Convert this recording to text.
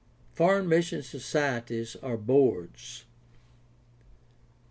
Foreign mission societies or boards.